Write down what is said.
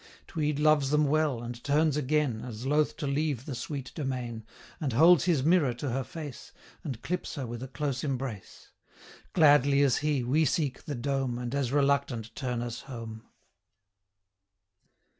Tweed loves them well, and turns again, As loth to leave the sweet domain, And holds his mirror to her face, And clips her with a close embrace: 120 Gladly as he, we seek the dome, And as reluctant turn us home.